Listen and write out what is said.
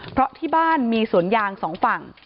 เพราะที่บ้านมีสวนยางสองฝั่ง